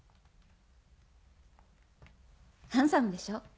ハンサムでしょ？